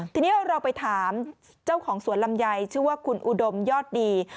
ทีนี้เราไปถามเจ้าของสวนลำไยชื่อว่าคุณอุดมยอดดี